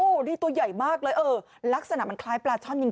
นี่ตัวใหญ่มากเลยเออลักษณะมันคล้ายปลาช่อนจริง